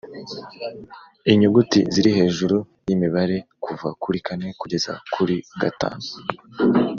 Inyuguti ziri hejuru y imibare kuva kuri kane kugeza kuri gatanu